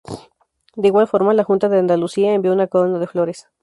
De igual forma, la Junta de Andalucía envió una corona de flores.